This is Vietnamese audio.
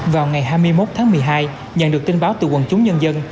vào ngày hai mươi một tháng một mươi hai nhận được tin báo từ quần chúng nhân dân